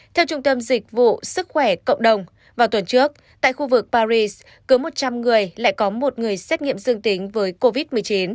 theo trung tâm dịch vụ sức khỏe cộng đồng vào tuần trước tại khu vực paris cứ một trăm linh người lại có một người xét nghiệm dương tính với covid một mươi chín